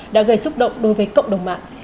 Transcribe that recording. đã gây xúc động đối với cộng đồng mạng